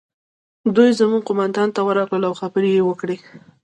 دوی زموږ قومندان ته ورغلل او خبرې یې وکړې